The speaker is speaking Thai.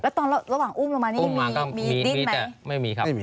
แล้วตอนระหว่างอุ้มลงมานี่มีดิ้นไหมไม่มีครับไม่มี